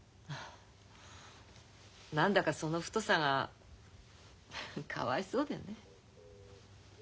何だかその太さがかわいそうでね。